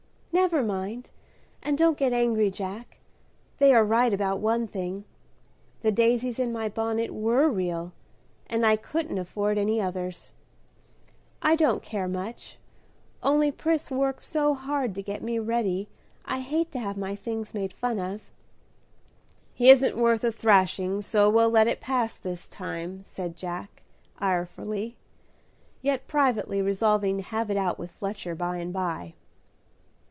"Never mind, and don't get angry, Jack. They are right about one thing, the daisies in my bonnet were real, and I couldn't afford any others. I don't care much, only Pris worked so hard to get me ready I hate to have my things made fun of." "He isn't worth a thrashing, so we'll let it pass this time," said Jack, irefully, yet privately resolving to have it out with Fletcher by and by.